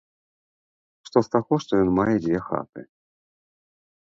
Што з таго, што ён мае дзве хаты!